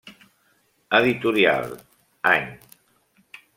Editorial, any.